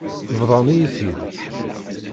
Bḍan-iyi-t-id.